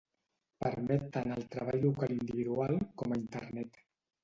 Permet tant el treball local individual, com a Internet.